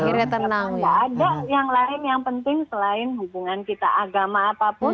karena gak ada yang lain yang penting selain hubungan kita agama apapun